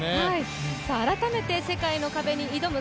改めて世界の壁に挑む